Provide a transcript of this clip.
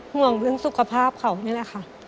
ห่วงเรื่องสุขภาพเขานี่แหละค่ะ